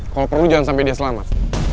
kalau perlu jangan sampai dia selamat